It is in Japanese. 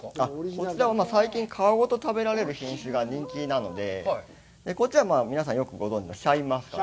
こちらは最近皮ごと食べられる品種が人気なので、こっちは皆さんよくご存じのシャインマスカット。